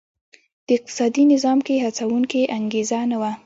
د اقتصادي نظام کې هڅوونکې انګېزه نه وه.